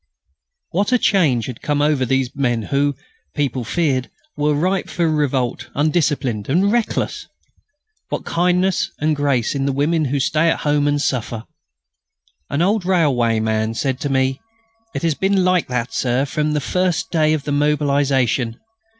_" What a change had come over these men who, people feared, were ripe for revolt, undisciplined, and reckless! What kindness and grace in the women who stay at home and suffer! An old railwayman said to me: "It has been like that, Sir, from the first day of the mobilisation.